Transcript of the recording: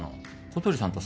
小鳥さんと？